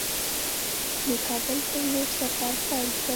د کابل پر لور سفر پیل کړ.